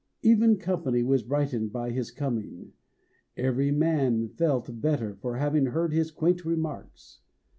Even company was brightened by his coming, every man felt better for having heard his quaint remarks.